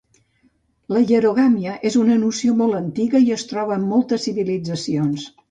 La hierogàmia és una noció molt antiga i es troba en moltes civilitzacions.